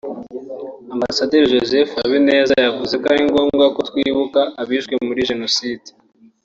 Ambasaderi Joseph Habineza yavuze ko ari ngombwa ko twibuka abishwe muri Jenoside